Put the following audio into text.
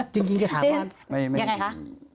จริงก็ถามว่ายังไงคะ